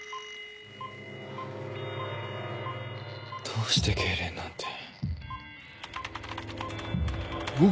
どうして痙攣なんて。